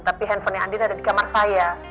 tapi handphonenya andin ada di kamar saya